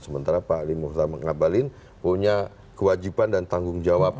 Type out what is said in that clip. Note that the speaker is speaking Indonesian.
sementara pak ali muhta ngabalin punya kewajiban dan tanggung jawab